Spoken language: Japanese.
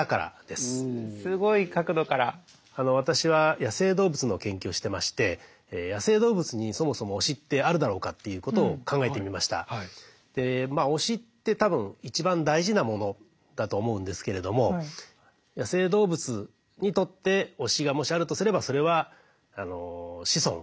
私は野生動物の研究をしてましてでまあ推しって多分一番大事なものだと思うんですけれども野生動物にとって推しがもしあるとすればそれは子孫。